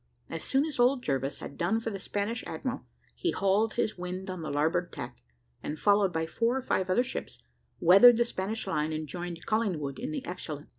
As soon as old Jervis had done for the Spanish admiral, he hauled his wind on the larboard tack, and, followed by four or five other ships, weathered the Spanish line and joined Collingwood in the Excellent.